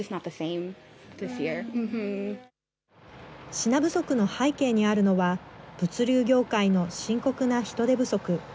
品不足の背景にあるのは、物流業界の深刻な人手不足。